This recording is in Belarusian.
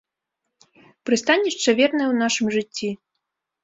Прыстанішча вернае ў нашым жыцці.